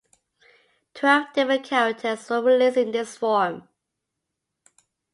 Twelve different characters were released in this form.